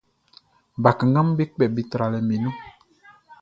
Bakannganʼm be kpɛ be tralɛʼm be nun.